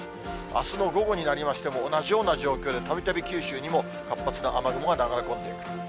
あすの午後になりましても、同じような状況で、たびたび九州にも活発な雨雲が流れ込んでくる。